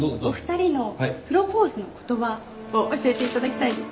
お二人のプロポーズの言葉を教えて頂きたい。